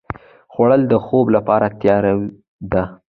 خوړل د خوب لپاره تیاري ده